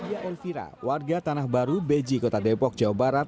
ya elvira warga tanah baru beji kota depok jawa barat